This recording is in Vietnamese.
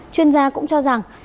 chuyên gia cũng cho rằng